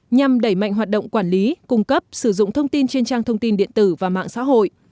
nhằm đẩy mạnh hoạt động quản lý cung cấp sử dụng thông tin trên trang thông tin điện tử và mạng xã hội